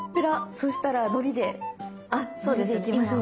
そしたらのりで行きましょう。